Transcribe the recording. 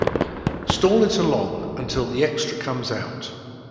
Stall it along until the extra comes out.